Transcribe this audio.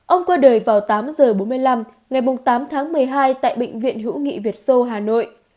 ông qua đời vào tám h bốn mươi năm ngày tám tháng một mươi hai tại bệnh viện hữu nghị việt sô hà nội